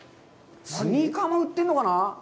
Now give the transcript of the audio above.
スニーカーも売ってるのかな。